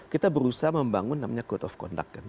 kita berusaha membangun namanya code of conduct